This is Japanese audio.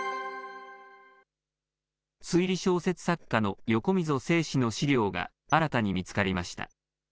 推理小説作家の横溝正史の資料が新たに見つかりました。